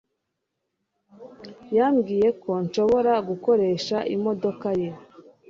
Yambwiye ko nshobora gukoresha imodoka ye